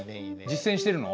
実践してるの？